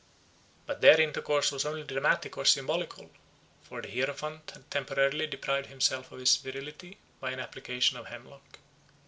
But their intercourse was only dramatic or symbolical, for the hierophant had temporarily deprived himself of his virility by an application of hemlock.